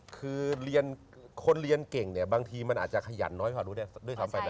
คือคนเรียนเก่งบางทีมันอาจจะขยันน้อยพอดูด้วยซ้ำไปแล้ว